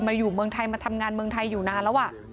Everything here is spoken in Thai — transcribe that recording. อยู่เมืองไทยมาทำงานเมืองไทยอยู่นานแล้ว